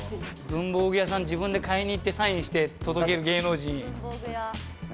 文房具屋さん自分で買いに行ってサインして届ける芸能人。